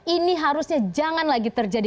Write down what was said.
ini harusnya jangan lagi terjadi